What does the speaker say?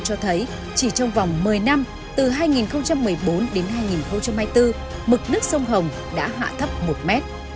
cho thấy chỉ trong vòng một mươi năm từ hai nghìn một mươi bốn đến hai nghìn hai mươi bốn mực nước sông hồng đã hạ thấp một m